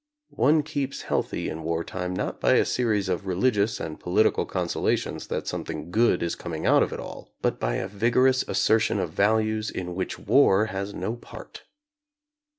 One keeps healthy in wartime not by a series of religious and political consolations that something good is coming out of it all, but by a vigorous assertion of values in which war has no part.